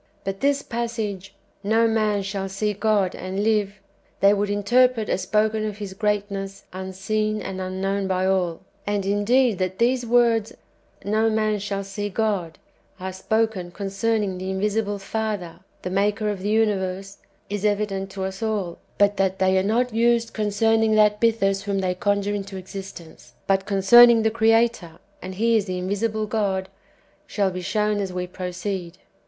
But this passage, " No man shall see God and live," they would interpret as spoken of His greatness un seen and unknown by all ; and indeed that these words, " No man shall see God," are spoken concerning the invisible Father, the Maker of the universe, is evident to us all ; but that they are not used concerning that Bythus whom they conjure into existence, but concerning the Creator (and He is the invisible God), shall be shown as we proceed.